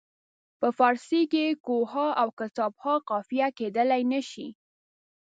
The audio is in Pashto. په فارسي کې کوه ها او کتاب ها قافیه کیدلای نه شي.